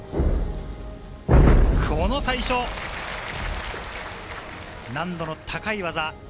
この最初、難度の高い技。